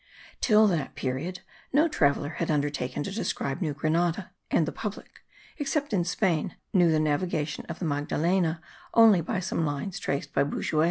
Till that period no traveller had undertaken to describe New Grenada; and the public, except in Spain, knew the navigation of the Magdalena only by some lines traced by Bouguer.